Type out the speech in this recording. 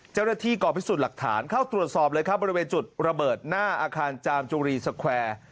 ก่อพิสูจน์หลักฐานเข้าตรวจสอบเลยครับบริเวณจุดระเบิดหน้าอาคารจามจุรีสแควร์